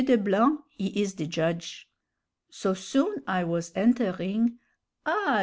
De Blanc he is the judge. So soon I was entering 'Ah!